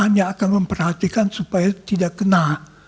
hanya akan memperhatikan supaya tidak kena